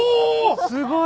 すごい！